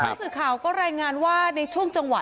ผู้สื่อข่าวก็รายงานว่าในช่วงจังหวะ